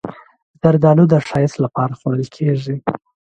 زردالو د ښایست لپاره خوړل کېږي.